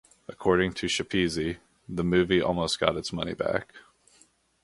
According to Schepisi, the movie almost got its money back.